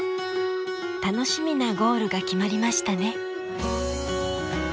楽しみなゴールが決まりましたね。